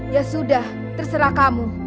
ya sudah terserah kamu